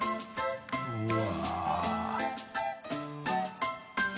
うわ。